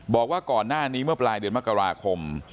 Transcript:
บอกว่าก่อนหน้านี้เมื่อปลายเดือนมกราคม